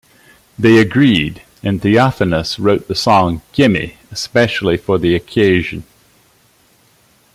They agreed and Theofanous wrote the song "Gimme" especially for the occasion.